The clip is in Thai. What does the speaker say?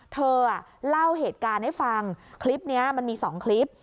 เธอเล่าเหตุการณ์ให้ฟังคลิปนี้มันมี๒คลิป